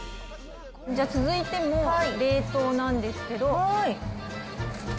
じゃあ、続いても冷凍なんですけど。